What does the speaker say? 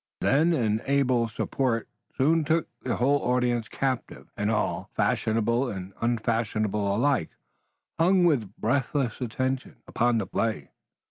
They and an able support soon took the whole audience captive, and all, fashionable and unfashionable alike, hung with breathless attention upon the play.